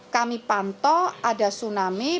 kami pantau ada tsunami